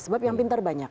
sebab yang pintar banyak